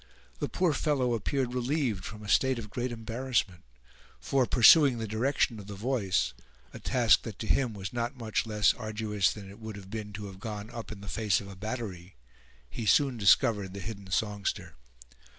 The poor fellow appeared relieved from a state of great embarrassment; for, pursuing the direction of the voice—a task that to him was not much less arduous that it would have been to have gone up in the face of a battery—he soon discovered the hidden songster.